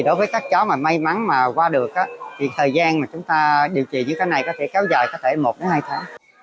đối với các cháu may mắn qua được thời gian điều trị như thế này có thể khéo dài một hai tháng